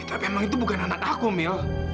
tapi emang itu bukan anak aku mil